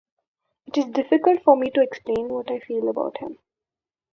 It is difficult for me to explain what I feel about him.